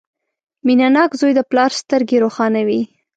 • مینهناک زوی د پلار سترګې روښانوي.